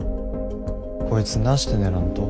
こいつなして寝らんと？